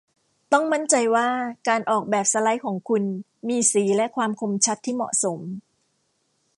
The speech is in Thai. ต้องมั่นใจว่าการออกแบบสไลด์ของคุณมีสีและความคมชัดที่เหมาะสม